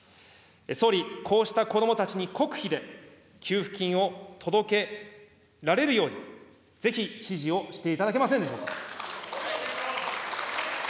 総理、こうした子どもたちに国費で給付金を届けられるように、ぜひ指示をしていただけませんでしょうか。